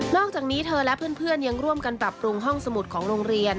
อกจากนี้เธอและเพื่อนยังร่วมกันปรับปรุงห้องสมุดของโรงเรียน